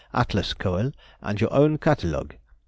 "Atlas Cœl.," and your own catalogue.